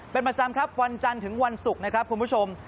เป็นประจำครับวันจันทร์ถึงวันศุกร์นะครับคุณผู้ชม